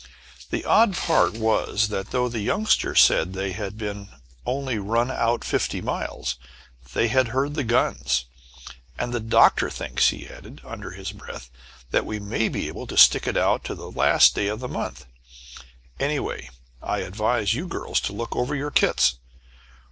The odd part was, that though the Youngster said that they had only run out fifty miles, they had heard the guns, and "the Doctor thinks," he added, under his breath, "that we may be able to stick it out to the last day of the month. Anyway, I advise you girls to look over your kits.